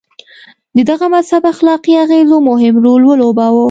د دغه مذهب اخلاقي اغېزو مهم رول ولوباوه.